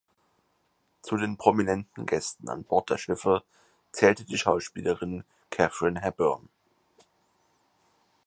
Zu den prominenten Gästen an Bord der Schiffe zählte die Schauspielerin Katharine Hepburn.